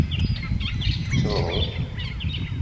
Tettruḍ?